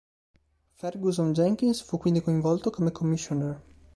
Ferguson Jenkins fu quindi coinvolto come Commissioner.